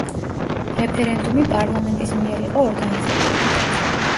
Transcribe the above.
რეფერენდუმი პარლამენტის მიერ იყო ორგანიზებული.